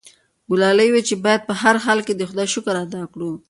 ګلالۍ وویل چې باید په هر حال کې د خدای شکر ادا کړو.